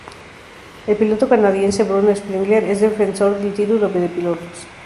El piloto canadiense Bruno Spengler es el defensor del título de pilotos.